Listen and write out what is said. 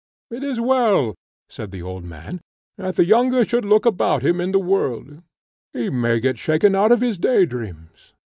"It is well," said the old man, "that the younker should look about him in the world; he may get shaken out of his day dreams."